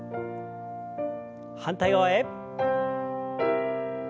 反対側へ。